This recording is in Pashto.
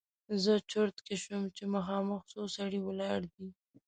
زه چرت کې شوم چې مخامخ خو سړی ولاړ دی!